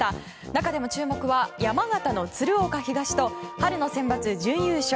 中でも注目は山形の鶴岡東と春のセンバツ準優勝